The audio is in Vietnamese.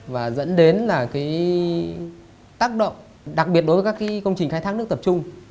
và dẫn đến là cái tác động đặc biệt đối với các cái công trình khai thác nước tập trung